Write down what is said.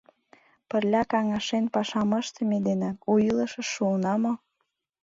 Пырля, каҥашен пашам ыштыме денак у илышыш шуына мо?